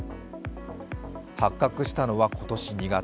発覚したのは今年２月。